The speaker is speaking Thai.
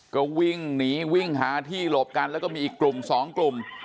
ก็วิ่งหนีวิ่งหาที่หลบกันแล้วก็มีอีกกลุ่มสองกลุ่ม